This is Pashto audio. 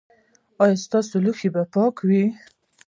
ایا ستاسو لوښي به پاک وي؟